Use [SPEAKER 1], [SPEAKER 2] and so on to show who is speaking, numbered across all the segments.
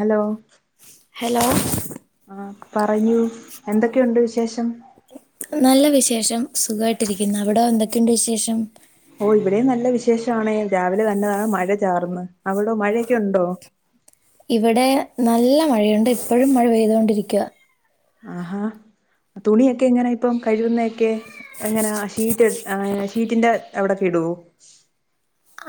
[SPEAKER 1] Hello
[SPEAKER 2] hello
[SPEAKER 1] ആഹ് പറയൂ എന്തൊക്കെയുണ്ട് വിശേഷം?
[SPEAKER 2] നല്ല വിശേഷം സുഖായിട്ടിരിക്കുന്ന് അവിടോ എന്തൊക്കെണ്ട് വിശേഷം?
[SPEAKER 1] ഓ ഇവിടെയും നല്ല വിശേഷാണെ രാവിലെ തന്നെ നല്ല മഴ ചാറ്ന്ന് അവിടോ മഴയൊക്കെ ഉണ്ടോ?
[SPEAKER 2] ഇവിടെ നല്ല മഴയുണ്ട് ഇപ്പഴും മഴ പെയ്തോണ്ടിരിക്ക
[SPEAKER 1] ആഹാ തുണിയൊക്കെ എങ്ങനെ ഇപ്പം കഴുകുന്നൊക്കെ എങ്ങനെ ഷീറ്റ് ഷീറ്റിന്റെ അവിടെക്കെ കെ [unintelligible]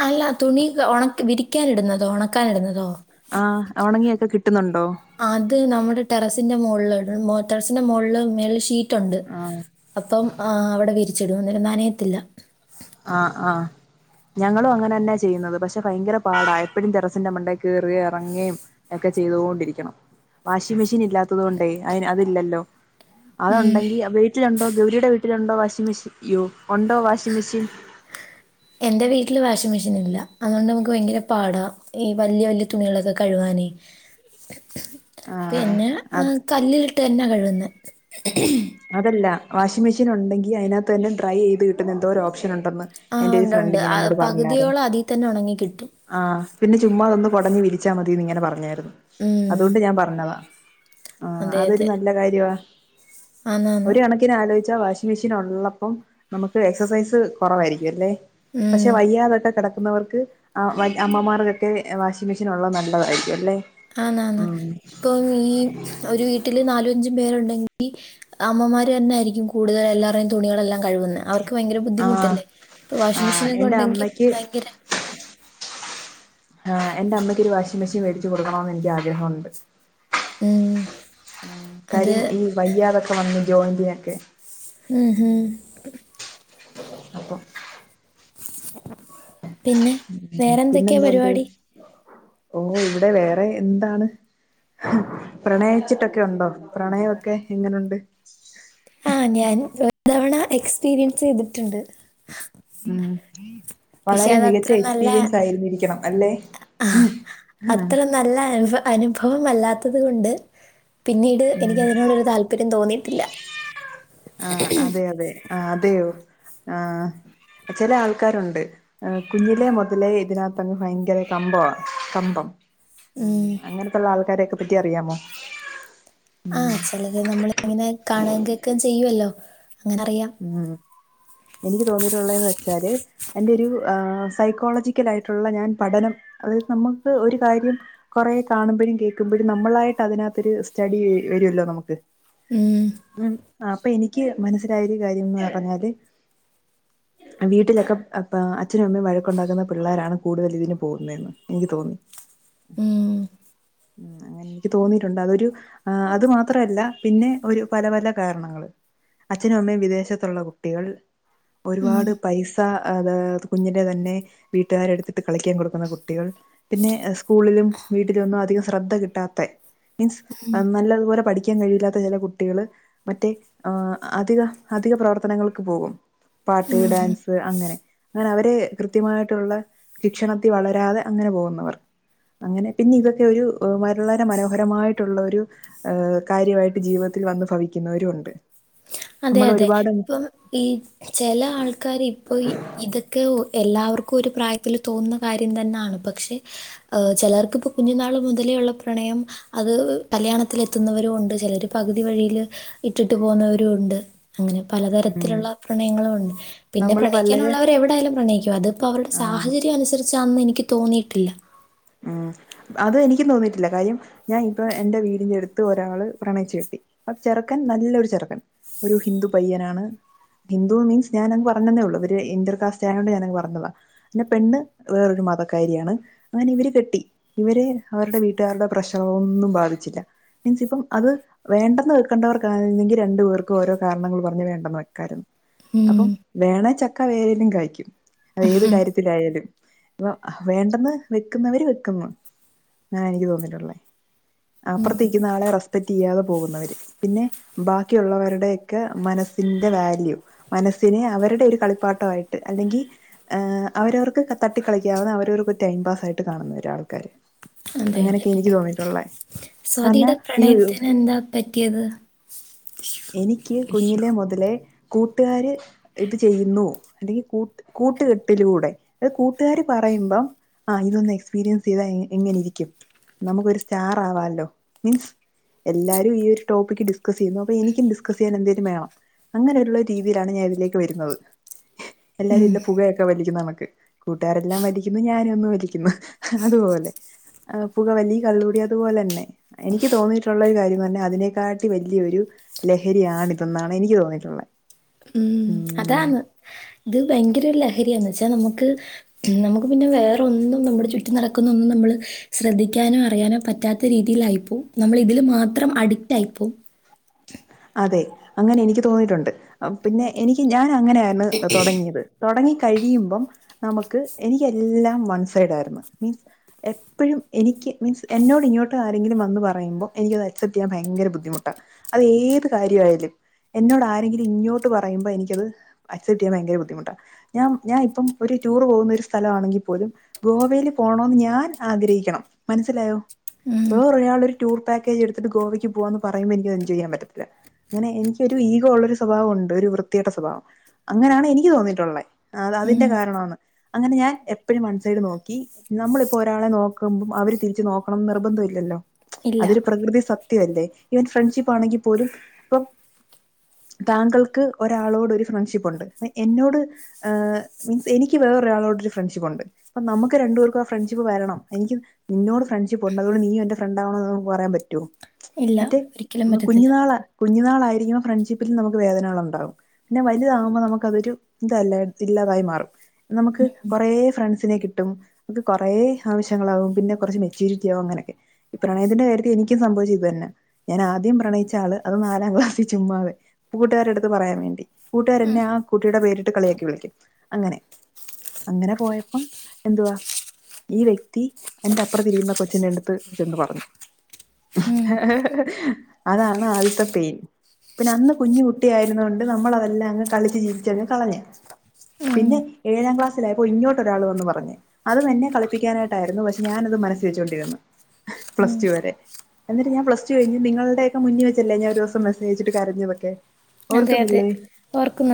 [SPEAKER 2] അല്ല തുണി ഉണ വിരിക്കാനിടുന്നതോ ഒണക്കാനിടുന്നതോ?
[SPEAKER 1] ആ ഒണങ്ങിയൊക്കെ കിട്ടുന്നുണ്ടോ
[SPEAKER 2] അത് നമ്മുടെ ടെറസിന്റെ മോ ടെറസിന്റെ മോള്ള് മേലെ ഷീറ്റ് ഉണ്ട്
[SPEAKER 1] ആ
[SPEAKER 2] അപ്പം അ അവിടെ വിരി ചെടി ഒന്നിനും നനയത്തില്ല
[SPEAKER 1] ആ ആ ഞങ്ങളും അങ്ങനന്നാ ചെയ്യുന്നത് പക്ഷെ ഭയങ്കര പാടാ എപ്പോഴും ടെറസിന്റെ മണ്ടേ കേറേം എറങ്ങേം ഒക്കെ ചെയ്തോണ്ടിരിക്കണം വാഷിംഗ് മിഷീൻ ഇല്ലാത്തതോണ്ടേ അയിന് അതില്ലല്ലോ
[SPEAKER 2] ഉം.
[SPEAKER 1] അതൊണ്ടെങ്കീ വീട്ടിലുണ്ടോ ഗൗരിയുടെ വീട്ടിലുണ്ടോ വാഷിംഗ മെഷീൻ യോ ഒണ്ടോ വാഷിംഗ് മെഷീൻ
[SPEAKER 2] എന്റെ വീട്ടില് വാഷിംഗാ മെഷീനില്ല അതുകൊണ്ട് നമുക്ക് ഭയങ്കര പാടാ ഈ വല്ല്യ വല്ല്യ തുണികളൊക്കെ കഴുകാനേ
[SPEAKER 1] ആഹ്
[SPEAKER 2] പിന്നെ ആ
[SPEAKER 1] അത്
[SPEAKER 2] കല്ലിലിട്ട് തന്ന കഴുകുന്നെ
[SPEAKER 1] അതല്ല വാഷിഗ് മെഷീനൊണ്ടെങ്കി അയിനാത്ത് തന്നെ ഡ്രൈ ചെയ്ത് കിട്ടുന്ന എന്തോരൊപ്ഷ് നുണ്ടെന്ന്
[SPEAKER 2] ആ
[SPEAKER 1] എന്റെ ഒരു
[SPEAKER 2] ഉണ്ട് ഉണ്ട്
[SPEAKER 1] ഫ്രണ്ടിങ്ങനെ
[SPEAKER 2] ആ,
[SPEAKER 1] എന്നോട് പറഞ്ഞായിര്ന്ന്
[SPEAKER 2] പകുതിയോളം അതിൽ തന്നെ ഉണങ്ങി കിട്ടും
[SPEAKER 1] ആ പിന്നെ ചുമ്മാതൊന്നന്ന് കൊടഞ് വിരിച്ചാമതീ ന്ന് ഇങ്ങനെ പറഞ്ഞായിരുന്നു
[SPEAKER 2] ഉം
[SPEAKER 1] അതുകൊണ്ട് ഞാൻ പറഞ്ഞതാ ആ
[SPEAKER 2] അതെ
[SPEAKER 1] അതൊരു
[SPEAKER 2] അതെ
[SPEAKER 1] നല്ല കാര്യവാ
[SPEAKER 2] ആന്നാന്ന്
[SPEAKER 1] ഒരു കണക്കിന് ആലോയ്ച്ചാ വാഷിംഗ് മിഷീൻ ഒള്ളപ്പം നമുക്ക് എക്സസൈസ് കൊറവായിരിക്കും അല്ലേ?
[SPEAKER 2] ഉം
[SPEAKER 1] പക്ഷേ വയ്യാതൊക്കെ കെടക്ക് ക്കുന്നവർക്ക് ആ അമ്മമാർക്കൊക്കെ വാഷിംഗ് മിഷീൻ ഒള്ളത് നല്ലതായിരിക്കും അല്ലേ?
[SPEAKER 2] ആന്നാന്ന്
[SPEAKER 1] ഉം
[SPEAKER 2] ഇപ്പം ഈ ഒരു വീട്ടില് നാലും അഞ്ചും പേരുണ്ടെങ്ക് ഈ അമ്മമാര് തന്നെയായിരിക്കും കൂടുതൽ എല്ലാരേയും തുണികളെല്ലാം കഴുവുന്നേ അവർക്ക് വയങ്കര
[SPEAKER 1] ആഹ്
[SPEAKER 2] ബുദ്ധിമുട്ടല്ലേ? ഇപ്പോ വാഷിംഗ്
[SPEAKER 1] ആഹ്
[SPEAKER 2] മെഷീനൊക്കെ
[SPEAKER 1] എന്റെ
[SPEAKER 2] ഉണ്ടെങ്കി
[SPEAKER 1] അമ്മയ്ക്ക്
[SPEAKER 2] ഭയങ്കര
[SPEAKER 1] ആ എന്റെ അമ്മയ്ക്കൊരു വാഷിംഗ് മെഷീൻ വേടിച്ചു കൊടുക്കണോന്ന് എനിക്ക് ആഗ്രഹോണ്ട്.
[SPEAKER 2] ഉം
[SPEAKER 1] മ്
[SPEAKER 2] അത്
[SPEAKER 1] കാര്യം ഈ വയ്യാതൊക്കെ വന്നു ജോയിന്റ്നൊക്കെ
[SPEAKER 2] ങ്ഹ് ആ
[SPEAKER 1] അപ്പം
[SPEAKER 2] പിന്നെ വേറെന്തൊക്കെയാ
[SPEAKER 1] പിന്നെന്തോണ്ട്
[SPEAKER 2] പരിപാടി?
[SPEAKER 1] ഓ ഇവിടെ വേറെ എന്താണ്? അഹ് പ്രണയിച്ചിട്ടൊക്കെ ഒണ്ടോ? പ്രണയവൊക്കെ എങ്ങനുണ്ട്?
[SPEAKER 2] ആ ഞാൻ ഒരു തവണ എക്സ്പീരിയൻസ് ചെയ്തിട്ടുണ്ട്.
[SPEAKER 1] ഉം
[SPEAKER 2] പക്ഷെ
[SPEAKER 1] വളരെ മികച്ച എക്സ്പീരിയൻസ് ആയിരുന്നിരിക്കണം. അല്ലേ
[SPEAKER 2] ആ അത്ര നല്ല അനുഫ അനുഭവം മല്ലാത്തത് കൊണ്ട് പിന്നീട്
[SPEAKER 1] ഉം
[SPEAKER 2] എനിക്കതിനോടൊരു താല്പര്യം തോന്നിയിട്ടില്ല.
[SPEAKER 1] ആ അതെ അതെ. ആ അതെയോ? ആ ചില ആൾക്കാരുണ്ട്. ഏ കുഞ്ഞിലേ മൊതലേ ഇതിനകത്തങ്ങ് ഭയങ്കര കമ്പവാ. കമ്പം.
[SPEAKER 2] ഉം
[SPEAKER 1] അങ്ങനത്തുള്ള ആൾക്കാരെയൊക്കെ പറ്റി അറിയാമോ?
[SPEAKER 2] ആ ചെലത് നമ്മൾ ഇങ്ങനെ കാണ്യേം കേക്കേം ചെയ്യുവല്ലോ. അങ്ങനെ അറിയാം
[SPEAKER 1] മ്മ് എനിക്ക് തോന്നിയിട്ടുള്ളേന്ന് വെച്ചാല് എന്റെ ഒരു ആ സൈക്കോളജിക്കലായിട്ടുള്ള ഞാൻ പഠനം അതായത് നമ്മുക്ക് ഒരു കാര്യം കൊറെ കാണുമ്പോൾ മ്പഴും കേക്കുമ്പോഴും നമ്മളായിട്ട് അതിനകത്തൊരു സ്റ്റഡി വരുല്ലോ നമുക്ക്
[SPEAKER 2] ഉം
[SPEAKER 1] മ്മ് അപ്പ എനിക്ക് മനസ്സിലായൊരു കാര്യംന്ന് പറഞ്ഞാല് വീട്ടിലൊക്കെ അപ്പ അച്ഛനും അമ്മയും വഴക്കുണ്ടാക്കുന്ന പിള്ളേരാണ് കൂടുതൽ ഇതിന് പോകുന്നേന്ന് എനിക്ക് തോന്നി.
[SPEAKER 2] ഉം
[SPEAKER 1] മം അങ്ങനെ എനിക്ക് തോന്നിയിട്ടുണ്ട്. അതൊരു അത് മാത്രല്ല. പിന്നെ ഒരു പല പല കാരണങ്ങള്. അച്ഛനും അമ്മയും വിദേശത്തുള്ള കുട്ടികൾ
[SPEAKER 2] ഉം
[SPEAKER 1] ഒരുപാട് പൈസ അത് കുഞ്ഞിൻ്റെ തന്നെ വീട്ടുകാരെടുത്തിട്ട് കളിക്കാൻ കൊടുക്കുന്ന കുട്ടികൾ പിന്നെ സ്കൂളിലും വീട്ടിലു ഒന്നും അധികം ശ്രദ്ധ കിട്ടാത്തെ മീൻസ് നല്ലതുപോലെ പഠിക്കാൻ കഴിവില്ലാത്ത ചെല കുട്ടികള് മറ്റേ ഏ അധിക അധിക പ്രവർത്തനങ്ങൾക്ക് പോകും. പാട്ട് ഡാൻസ് അങ്ങനെ. അങ്ങനെ അവരെ കൃത്യമായിട്ടുള്ള ശിക്ഷണത്തിൽ വളരാതെ അങ്ങനെ പോകുന്നവർ അങ്ങനെ പിന്നെ ഇതൊക്കെ ഒരു വളരെ മനോഹരമായിട്ടുള്ള ഒരു കാര്യമായിട്ട് ജീവിത ത്തിൽ വന്ന് ഭവിക്കുന്നവരുണ്ട്.
[SPEAKER 2] അതെ അതെ. ഇപ്പം ഈ ചെല ആൾക്കാർ ഇപ്പം ഈ ഇതൊക്കെ ഒ എല്ലാവർക്കും ഒരു പ്രായത്തിൽ തോന്നുന്ന കാര്യം തന്നാണ്. പക്ഷേ ചെലർക്ക്പ്പോ കുഞ്ഞു നാള് മൊതല് ല്ള്ള പ്രണയം അത് കല്യാണത്തിൽ എത്തുന്നവരും ഉണ്ട്. ചെലര് പകുതി വഴിയിൽ ഇട്ടിട്ട് പോകുന്നവരും രുണ്ട് അങ്ങനെ
[SPEAKER 1] ഉം.
[SPEAKER 2] പലതരത്തിലുള്ള പ്രണയങ്ങളും ഉണ്ട്. പിന്നെ
[SPEAKER 1] നമ്മള് വളരെ
[SPEAKER 2] പ്രണയിക്കാനുള്ളവർ എവിടായാലും പ്രണയിക്കും. അതിപ്പോ അവരുടെ സാ
[SPEAKER 1] ആഹ്.
[SPEAKER 2] സാഹചര്യം അനുസരിച്ചാന്ന് എനിക്ക് തോന്നിയിട്ടില്ല.
[SPEAKER 1] ഉം അത് എനിക്കും തോന്നിയിട്ടില്ല കാര്യം ഞാൻ ഇപ്പ എന്റെ വീടിന്റെ അടുത്ത് ഒരാള് പ്രണയിച്ചു അപ്പ ചെറക്കൻ നല്ലൊരു ചെറുക്കൻ ഒരു ഹിന്ദു പയ്യനാണ്. ഹിന്ദു മീൻസ് ഞാനങ്ങ് പറഞ്ഞന്നേ ഒള്ളൂ. ഇവര് ഇൻറ്റർ കാസ്റ്റ് ആയോണ്ട് ഞാനത് പറഞ്ഞതാ പിന്ന പെണ്ണ് വേറോരു മതക്കാരിയാണ് അങ്ങനെ ഇവര് കെട്ടി. ഇവര് അവരുടെ വീട്ടുകാരുടെ പ്രശ്നങ്ങളൊന്നും ബാധിച്ചില്ല. മീൻസ് ഇപ്പം അത് വേണ്ടെന്ന് വെക്കേണ്ടവർക്കെങ്കിൽ രണ്ടു പേർക്കും ഓരോ കാരണങ്ങൾ പറഞ് വേണ്ടെന്ന് വെക്കായിരുന്നു
[SPEAKER 2] ഉം
[SPEAKER 1] അപ്പം വേണെ ചക്ക വേരിലും കായിക്കും അത് ഏത് കാര്യത്തിലായാലും ഇപ്പൊ വേണ്ടെന്ന് വെക്കുന്നവര് വെക്കുന്നു ഞാൻ എനിക്ക് തോന്നിട്ടുള്ളേ
[SPEAKER 2] ഉം
[SPEAKER 1] അപ്പുറത്തേക്കുന്ന ആളെ റെസ്പെക്ട് ചെയ്യാതെ പോകുന്നവര് പിന്നെ ബാക്ക ഒക്കുള്ളവരുടെയൊക്കെ മനസ്സിന്റെ വാല്യൂ മനസ്സിനെ അവരുടെ ഒരു കളിപ്പാട്ടയിട്ട് അല്ലെങ്കിൽ അവരവർക്ക് തട്ടി കളിക്കാവുന്ന അവരവർക്ക് ടൈം പാസ് ആയിട്ട് കാണുന്ന ഒരാൾക്കാര്
[SPEAKER 2] അതെ അതെ
[SPEAKER 1] അങ്ങനെയൊക്കെ എനിക്ക് തോന്നിട്ടുള്ളേ
[SPEAKER 2] സ്വാതിയുടെ പ്രണയത്തിന് എന്താ പറ്റിയത്
[SPEAKER 1] എനിക്ക് കുഞ്ഞിലെ മുതലേ കൂട്ടുകാര് ഇത് ചെയ്യുന്നു അല്ലെങ്കിൽ കൂട്ടുകെട്ടിലൂടെ അത് കൂട്ടുകാര് പറ പറയ്പോം ആ ഇതൊന്ന് എക്സ്പീരിയൻസ് ചെയ്ത എങ്ങനെരിക്കും നമുക്കരു സ്റ്റാർ ആവാല്ലോ മീൻസ് എല്ലാരും ഈ ഒരു ടോപ്പിക് ഡിസ്കസ് ചെയ്യുന്ന അപ്പൊ എനിക്കും ഡിസ്കസ് ചെയ്യാൻ എന്തേങ്കിലും വേണം അങ്ങനെയുള്ള രീതിയിലാണ് ഞാൻ ഇതിലേക്ക് വരുന്നത് എല്ലാരും ഇല്ലാം പുകയൊക്കെ വലി ണക്ക് നമുക്ക് കൂട്ടുകാരെല്ലാം വലിക്കുന്നു ഞാനും ഒന്ന് വലിക്കുന്നു അതുപോലെ പുക വലി കള്ളുകൂടി അതുപോലെ തന്നെ എനിക്ക് തോന്നിയിട്ടുള്ള ഒരു കാര്യംന്ന് പറഞ്ഞ അതിനെക്കാട്ടി വലിയൊരു ലഹരിയാണിതെന്നാണ് എനിക്ക് തോന്നിയിട്ടുള്ള
[SPEAKER 2] ഉം അതാണ് ഇത് ഭയങ്കര ഒരു ലഹരിയാന്ന് വെച്ച നമുക്ക് നമുക്ക് പിന്നെ വേറെന്നും നമ്മുടെ ചുറ്റും നടക്കുന്ന ഒന്നും നമ്മള് ശ്രദ്ധിക്കാനും അറിയ ന പറ്റാത്ത രീതിയിൽആയിപ്പോ നമ്മൾ ഇതില് മാത്രം അഡിക്റ്റ് ആയിപ്പോ
[SPEAKER 1] അതെ അങ്ങനെ എനിക്ക് തോന്നിയിട്ടുണ്ട് പിന്നെ എനിക്ക് ഞാൻ അങ്ങനെയാര്ന്ന് തുടങ്ങിയത് തുടങ്ങി കഴിയുമ്പം നമുക്ക് എനിക്ക് എല്ലാം വൺ സൈഡ് ആയിരുന്നു മീൻസ് എപ്പഴും എനിക്ക് മീൻസ് എന്നോട് ഇങ്ങോട്ട് ആരെങ്കിലും വന്ന് പറയുമ്പോ എനിക്ക് അത് അക്സെപ്റ്റ് ചെയ്യാൻ ഭയര ബുദ്ധിമുട്ടാ അത്ഏ കാര്യമായാലും എന്നോട് ആരെങ്കിലും ഇങ്ങോട്ട് പറയുമ്പോ എനിക്കത് അക്സെപ്റ്റ് ചെയ്യാൻ ഭയങ്കര ബുദ്ധിമുട്ടാ ഞാൻ ഞാൻ ഇപ്പം ഒരു ടൂർ പോകുന്ന ഒരു സ്ഥലം ആണെങ്കിൽ പോലും ഗോവയിൽ പോകണോന്ന് ഞാൻ ആഗ്രഹിക്കണം മനസ്സിലായോ
[SPEAKER 2] ഉം,
[SPEAKER 1] വേറെ ഒരാളൊരു ടൂർ പാക്കേജ് എടുത്തിട്ട് ഗോവയ്ക്ക് പോവാന്ന് പറയുമ്പോ എനിക്കത് എൻജോയ് ചെയ്യാൻ പറ്റത്തില്ല അങ്ങനെ എനിക്ക് ഒരു ഈഗോ ഉള്ള ഒരു സ്വഭാവം ഉണ്ട് ഒരു വൃത്തികെട്ട സ്വഭാവം അങ്ങനെയാണ് എനിക്ക് തോന്നിയിട്ടുള്ള അതിന്റെ
[SPEAKER 2] ഉം.
[SPEAKER 1] കാരണമാണ് അങ്ങനെ ഞാൻ എപ്പോഴും വൺസൈഡ് നോക്കി നമ്മളിപ്പോ ഒരാളെ നോക്കുമ്പോൾ അവര് തിരിച്ച് നോക്കണം ന്ന് നിർബന്ധം ഇല്ലല്ലോ
[SPEAKER 2] ഇല്ല
[SPEAKER 1] അതൊരു പ്രകൃതിസത്യം അല്ലേ ഈ ഒരു ഫ്രണ്ട്ഷിപ്പ് ആണെങ്കി പോലും ഇപ്പം താങ്കൾക്ക് ഒരാളോട് ഒരു ഫ്രണ്ട്ഷിപ്പ് ഉണ്ട് എന്നോട് മീൻസ് എനിക്ക് വേറെഒരാളോട് ഫ്രണ്ട്ഷിപ്പ്ണ്ട് നമുക്ക് രണ്ടുപേർക്കും ആ ഫ്രണ്ട്ഷിപ്പ് വരണം എനിക്ക് നിന്നോട് ഫ്രണ്ട്ഷിപ്പ് ഉണ്ട് അതൊണ്ട് നീ എന്റെ ഫ്രണ്ട് ആവണോന്ന് പറയാൻ പറ്റോ
[SPEAKER 2] ഇല്ല ഒരിക്കലും പറ്റ
[SPEAKER 1] കുഞ്ഞു നാള കുഞ്ഞു നാളായി ഫ്രണ്ട്ഷിപ്പിൽ നമുക്ക് വേദനകൾണ്ടാകും പിന്നെ വലുതാകുമ്പോൾ നമുക്കതൊ ഇതല്ല ഇല്ലാതായി മാറും നമുക്ക് കുറേ ഫ്രണ്ട്സിനെ കിട്ടും നമുക്ക് കൊറേ ആവശ്യങ്ങളാവും പിന്നെ കുറച്ച് മെച്ചൂരിറ്റി ആകും അങ്ങനൊക്കെ ഈ പ്രണയത്തിന്റെ കാര്യത്തിൽ എനിക്കും സംഭവിച്ചത് ഇത് തന്നാ ഞാൻ ആദ്യം പ്രണയിച്ച അത് നാലാം ക്ലാസിൽ ചുമ്മാതെ കൂട്ടുകാരഅടുത്ത് പറയാൻ വേണ്ടി കൂട്ടുകാരഎന്നെ ആ കുട്ടിയുടെ പേരിട്ട് കളിയാക്കി വിളിക്കും അങ്ങനെ അങ്ങനെ പോയപ്പോം എന്തുവാ ഈ വ്യക്തി എന്റെ അപ്രത്തെതിരിക്കുന്ന കൊച്ചിന്റെ അടുത്ത് ചെന്നെന്ന് പറഞ്ഞു
[SPEAKER 2] ഉം,
[SPEAKER 1] അതാണ് ആദ്യത്തെ പെയിൻ പിന്നെ അന്ന് കുഞ്ഞു കുട്ടിയ ആയിരുന്നൊണ്ട് നമ്മളതെല്ലാം അങ്ങ് കളിച്ച് ചിരിച്ച്കളഞ്ഞ്
[SPEAKER 2] ഉം.
[SPEAKER 1] പിന്നെ ഏഴാം ക്ലാസ്സിലായപ്പോ ഇങ്ങോട്ട് ഒരാൾ വന്ന് പറഞ്ഞു അതും എന്നെ കളിപ്പിക്കാനായിട്ടായിരുന്നു പക്ഷെഞാനത് മനസ്സ് വെച്ചോണ്ടിരിന്നു പ്ലസ്റ്റു വരെ എന്നിട്ട് ഞാൻ പ്ലസ്റ്റു കഴി ഞ്ഞ്നിങ്ങൾടെ മുന്നി വെച്ചെല്ലെ ഞാൻഒരുസംമെ സേജ്ട്ട് കരഞ്ഞതൊക്കെ
[SPEAKER 2] അതെ അതെ
[SPEAKER 1] ഓർക്കുന്നില്ലേ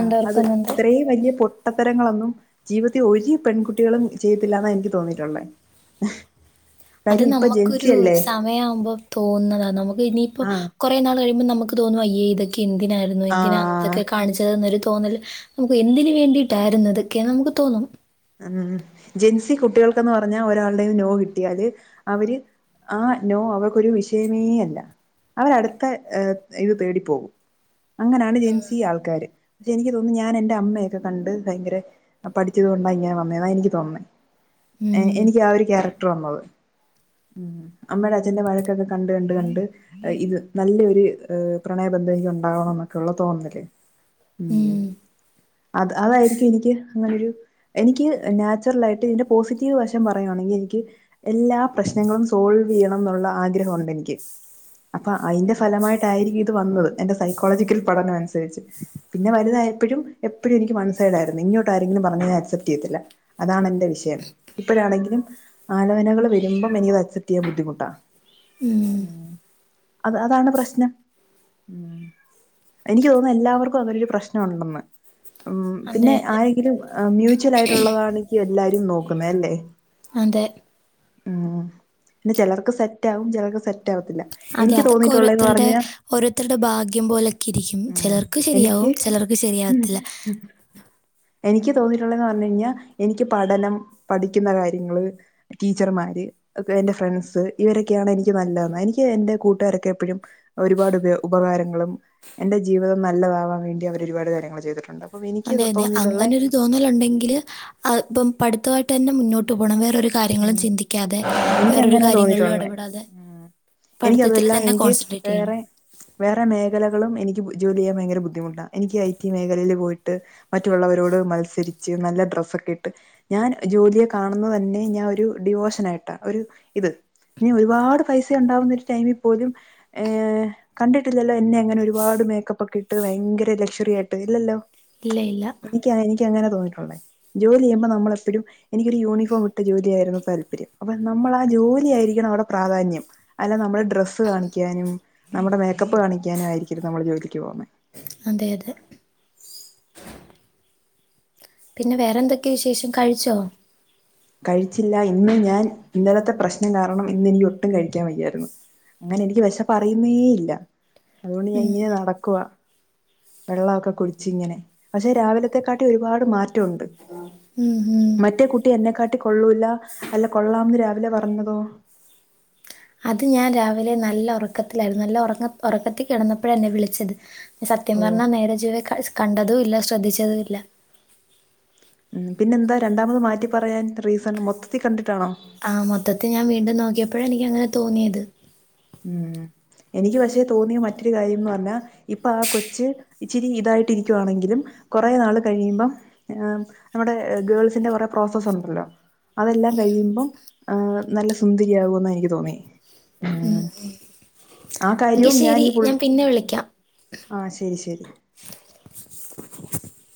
[SPEAKER 1] ആ അത്
[SPEAKER 2] ഓർക്കുന്നുണ്ട്
[SPEAKER 1] ഇത്രയും വലിയ പൊ പൊട്ടത്തരങ്ങളൊന്നും ജീവിതൽ ഒരീ പെൺകുട്ടികളും ചെയ്ത്തില്ലന്ന് എനിക്ക് തോന്നിയിട്ടുള്ളേ [unintelligible]
[SPEAKER 2] അത്
[SPEAKER 1] ഇപ്പൊ ജെൻസി
[SPEAKER 2] നമ്മക്കൊരു
[SPEAKER 1] അല്ലേ
[SPEAKER 2] സമയവുമ്പോ തോന്നുന്നതാണ് നമുക്ക് ഇനിയിപ്പോ
[SPEAKER 1] ആ
[SPEAKER 2] കൊറെനാൾ കഴിയുമ്പേ നമ്മക്ക് നമുക്ക് തോന്നും അയ്യ ഇതൊക്കെ എന്തിനായിരുന്നു എന്തിനാണ്
[SPEAKER 1] ആ
[SPEAKER 2] ഇതൊക്കെ കാണിചെത് എന്നരു തോന്നൽ നമുക്ക് എന്തിന് വേണ്ടിട്ടായിരുന്നു ഇതൊക്കെയന്ന് നമുക്ക് തോന്നും
[SPEAKER 1] മം ജെൻസി കുട്ടികൾക്കന്ന് പറഞ്ഞാൽ ഒരാളുടെയും നോ കിട്ടിയാല് അവര് ആ നോ അവക്കൊരു വിഷയമേ അല്ല അവരടുത്തെ ഏ ഇത് തേടിപ്പോകും അങ്ങനെയാണ് ജെൻസി ആൾക്കാര് പക്ഷെ എനിക്ക് തോന്നുന്നു ഞാൻ എന്റ അമ്മയൊക്കെ കണ്ട് ഭയങ്കര പഠിച്ചത്കൊണ്ട് ഇങ്ങനെ വന്നേ എനിക്ക് തോന്നുന്നെ
[SPEAKER 2] ഉം.
[SPEAKER 1] എനിക്ക് ആ ഒരു ക്യാരക്ടർ വന്നത് മം അമ്മടെ അച്ഛന്റെ വഴക്കൊക്കെ കണ്ട് കണ്ട് കണ്ട് ഇത് നല്ലൊരു ഹ് പ്രണയ എന്തേലും ഉണ്ടാവണം എന്നൊക്കെ ഉള്ള തോന്നല്
[SPEAKER 2] ഉം.
[SPEAKER 1] അത് അതായിരിക്കും എനിക്ക് ഇങ്ങനൊരു എനിക്കിനാച്ചുറൽ ആയിട്ട് ഇതിന്റെ പോസിറ്റീവ് വശം പറയുകയാണെ ങ്കിൽ എനിക്കി എല്ലാ പ്രശ്നങ്ങളും സോൾവ് വീണം എന്നുള്ള ആഗ്രഹമുണ്ട് എനിക്ക് അപ്പൊ അതിന്റെ ഫലമായിട്ടായിരിക്കും ഇത് വന്നത് എന്റെ സൈക്കോളജിക്കൽ പഠനം അനുസരിച്ച് പിന്നെ വരുന്നത് എപ്പോഴും എപ്പോഴും എനിക്ക് വൺ സൈഡായിരുന്നു ഇങ്ങോട്ട് ആരെങ്കിലുംപറഞ്ഞാ ഞാൻഅസെപ്റ്റ് അതാണ് എന്റെ വിഷയം ഇപ്പോഴാണെങ്കിലും ആലോനകൾ വരുമ്പോം എനിക്ക്അസെപ്റ്റ് ചെയ്യാൻ ബുദ്ധിമുട്ട
[SPEAKER 2] ഉം.
[SPEAKER 1] [unintelligible] അതാണ് പ്രശ്നം മം എനിക്ക് തോന്നും എല്ലാവർക്കും അതരു പ്രശ്നം ണ്ടെന്ന് ഉം
[SPEAKER 2] അതെ,
[SPEAKER 1] പിന്നെ
[SPEAKER 2] അതെ.
[SPEAKER 1] ആരെങ്കിലും മ്യൂച്വൽ ആയിട്ടുള്ളതാണങ്കിൽഎല്ലാരും നോക്കുന്നേ അല്ലേ
[SPEAKER 2] അതെ
[SPEAKER 1] മം പിന്നെ ചിലർക്ക് സെറ്റ് ആകും ചിലർക്ക് സെറ്റ് ആവത്തില്ല
[SPEAKER 2] അതെ
[SPEAKER 1] എനിക്ക്
[SPEAKER 2] അതൊക്കെ
[SPEAKER 1] തോന്നിയിട്ടുള്ളന്ന്
[SPEAKER 2] ഓരോരുത്തരുടെ
[SPEAKER 1] പറഞ്ഞ
[SPEAKER 2] ഓരോരുത്തരുടെ ഭാഗ്യം പോലൊക്കെ ഇരിക്കും
[SPEAKER 1] ഉം
[SPEAKER 2] ചിലർക്ക്
[SPEAKER 1] എനിക്ക്
[SPEAKER 2] ശരിയാവും ചിലർക്ക് ശരിയാവത്തില്ല
[SPEAKER 1] എനിക്ക് തോന്നി [unintelligible] എനിക്ക്പഠനം പഠിക്കുന്ന കാര്യങ്ങള് ടീച്ചർമാർ ഫ്രണ്ട്സ് ഇവരൊക്കെയാണ് എനിക്ക് നല്ലതെന്ന് എനിക്ക് എന്റെ കൂട്ടുകാരൊക്കെ എപ്പോഴും ഒരുപാട് പേര്ഉപകാരങ്ങളും എന്റെ ജീവിതം നല്ലതാവാൻ വേണ്ടി അവര് ഒരുപാട് കാര്യങ്ങൾ ചെയ്തിട്ടുണ്ട് അപ്പം എനിക്ക്
[SPEAKER 2] അതെ അതെ
[SPEAKER 1] തോന്നിയിട്ടുള്ള
[SPEAKER 2] അങ്ങനെ ഒരു തോന്നലുണ്ടെങ്കിൽ അ ഇപ്പം പഠിത്തമായിട്ട് തന്നെ മുന്നോട്ട് പോകണം വേറെ വേറരു കാര്യങ്ങളും
[SPEAKER 1] ഉം
[SPEAKER 2] ചിന്തിക്കാതെ വേറൊരു കാര്യങ്ങളിലും ഇടപെടാതെ പഠിത്തത്തിൽ
[SPEAKER 1] എനിക്കതല്ല
[SPEAKER 2] തന്നെ
[SPEAKER 1] എനിക്ക്
[SPEAKER 2] കോൺസെൻട്രേറ്റ് ചെയ്യണം
[SPEAKER 1] വേറെ വേറെ മേഖലകളും എനിക്ക് ജോലി ചെയാൻ ഭയങ്കരബുദ്ധിമുട്ടാ എനിക്ക് ഐക്യമേഖലയിൽപോയിട്ട് മറ്റുള്ളവരോട് മത്സരിച്ച് നല്ല [unintelligible] ഇട്ട് ഞാൻ ജോലിയെ കാണുന്നത്‌ തന്നെ ഞാൻ ഒരു ഡിവോഷൻ ആയിട്ടാ ഒരു ഇത് ഇനി ഒരുപാട് പൈസ ഉണ്ടാവുന്ന ഒരു ടൈമിൽ പോലും ഏ കണ്ടിട്ടില്ലല്ലോ എന്നെ അങ്ങനെ ഒരുപാട് മേക്കപ്പ് ഒക്കെ ഇട്ട് ഭയങ്കര ലക്ഷറി ആയിട്ട് ഇല്ലല്ലോ
[SPEAKER 2] ഇല്ല ഇല്ല
[SPEAKER 1] ങ്ങനെ തോന്നിയിട്ടുള്ളേ ജോലി ചെയ്യുമ്പോ നമ്മളെപ്പോഴും എനിക്ക ഒരു യൂണിഫോം ജോലി ആയിരുന്നു താല്പര്യം അപ്പ നമ്മള ആ ജോലി ആയിരിക്കണം അവിടെ പ്രാധാന്യം അല്ലാ തെനമ്മുടെ ഡ്രസ്സ്കാണിച്ച് നമ്മുടെ മേക്കപ്പ് കാണിക്കാനുംയിരിക്കരുത് നമ്മൾ ജോലിക്ക് പോവുന്നത്
[SPEAKER 2] അതെ അതെ പിന്നെ വേറെ എന്തൊക്കെയ വിശേഷം കഴിച്ചോ
[SPEAKER 1] കഴിച്ചില്ല ഇന്ന് ഞാൻ ഇന്നലത്തെ പ്രശ്നം കാരണം ഇന്ന് എനിക്ക് ഒട്ടും കഴിക്കാൻ വയ്യായിരുന്നു അങ്ങനെ എനിക്ക് വിശപ്പ് അറിയുന്നേ ഇല്ല അതുകൊണ്ട് ഞാൻ ഇങ്ങനെ നടക്കുവ വെള്ളമൊക്കെ കുടിച്ച് ഇങ്ങനെ പക്ഷെ രാവിലത്തെക്കാട്ടി ഒരുപാട് മാറ്റമുണ്ട്
[SPEAKER 2] ഉം ഉം
[SPEAKER 1] മറ്റേ കുട്ടി എന്നെക്കാ- ട്ടികൊള്ളൂല അല്ല കൊള്ളാമന്ന് രാവിലെ പറഞ്ഞതോ
[SPEAKER 2] അത് ഞാൻ രാവിലെ നല്ല ഉറക്കത്തിലായിരുന്നു നല്ല ഉറ ഉറക്കത്തി കിടന്നപ്പോഴ എന്നെ വിളിച്ചത് സത്യം
[SPEAKER 1] ഓ
[SPEAKER 2] പറഞ്ഞാൽ നേര ചെവ്വെ കണ്ടതും ഇല്ല ശ്രദ്ധിച്ചതും ഇല്ല
[SPEAKER 1] ഉം പിന്നെന്താ രണ്ടാമത് മാറ്റി പറയാൻ റീസൺ മൊത്തത്തിൽ കണ്ടിട്ട്
[SPEAKER 2] ആ മൊത്തത്തി ഞാൻ വീണ്ടും നോക്കിയപ്പോഴ എനിക്ക് അങ്ങനെ തോന്നിയത്
[SPEAKER 1] ഉം എനിക്ക് പക്ഷേ തോന്നിയ മറ്റൊരു കാര്യംന്ന് പറഞ്ഞാ ഇപ്പൊ ആ കൊച്ച് ഇച്ചിരി ഇതായിട്ട് ഇരിക്കുകയാണെങ്കിലും കുറേ നാൾ കഴിയുമ്പോ നമ്മുടെ ഗേൾസിന്റെ കുറെ പ്രോസസ്സ് ഉണ്ടല്ലോ അതെല്ലാം കഴിയുമ്പം ആ നല്ല സുന്ദരിയാകുമെന്ന് എനിക്ക് തോന്നി
[SPEAKER 2] ഉം ഉം എങ്കി
[SPEAKER 1] കാര്യവും
[SPEAKER 2] ശെരി
[SPEAKER 1] ഈ പുൾ
[SPEAKER 2] ഞാൻ പിന്നെ വിളിക്കാം
[SPEAKER 1] ആഹ് ശരി ശരി
[SPEAKER 2] [inaudible]